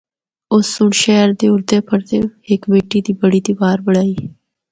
اس سنڑ شہر دے اُردے پردے ہک مٹی دی بڑی دیوار بنڑائی۔